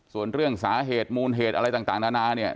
ส่วนเรื่องสาเหตุมูลเหตุอะไรต่างนานาเนี่ย